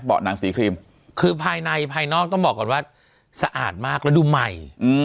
หนังสีครีมคือภายในภายนอกต้องบอกก่อนว่าสะอาดมากแล้วดูใหม่